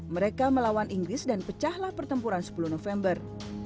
mereka melawan inggris dan pecahlah pertempuran sepuluh november